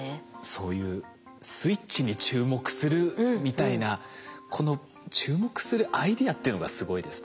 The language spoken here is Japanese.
そういうスイッチに注目するみたいなこの注目するアイデアっていうのがすごいですね。